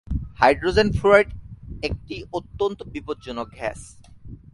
Hydrogen fluoride একটি অত্যন্ত বিপজ্জনক গ্যাস।